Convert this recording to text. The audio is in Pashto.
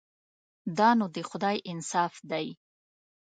دا نو د خدای انصاف دی.